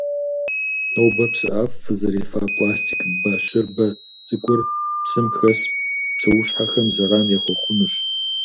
Нобэ псыӏэф фызэрефа пластик бащырбэ цӏыкур, псым хэс псуэщхьэхэм заран яхуэхъунущ.